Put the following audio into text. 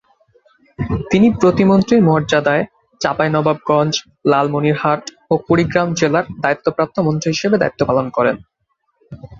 তিনি প্রতিমন্ত্রীর মর্যাদায় চাঁপাইনবাবগঞ্জ, লালমনিরহাট ও কুড়িগ্রাম জেলার দায়িত্বপ্রাপ্ত মন্ত্রী হিসেবে দায়িত্ব পালন করেন।